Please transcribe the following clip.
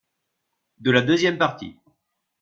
de la deuxième partie.